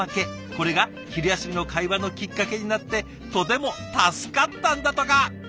これが昼休みの会話のきっかけになってとても助かったんだとか。